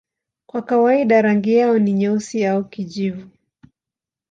Kwa kawaida rangi yao ni nyeusi au kijivu.